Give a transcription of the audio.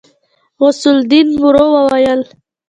غوث الدين ورو وويل.